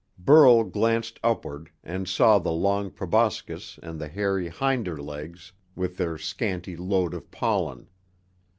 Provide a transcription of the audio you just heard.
Burl glanced upward and saw the long proboscis and the hairy hinder legs with their scanty load of pollen.